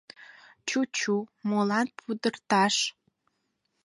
— Чу-чу, молан пудырташ?